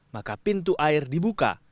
maka pintu air dibuka